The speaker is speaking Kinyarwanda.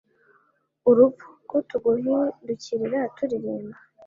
Urupfu, Ko tuguhindukirira, turirimba